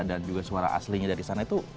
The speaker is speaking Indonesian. dan juga suara aslinya dari sana itu